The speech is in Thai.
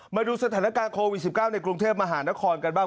มาดูสถานการณ์โควิด๑๙ในกรุงเทพมหานครกันบ้าง